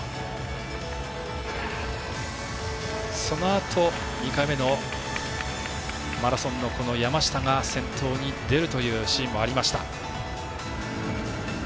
そのあと、２回目のマラソンの山下が先頭に出るというシーンもありました。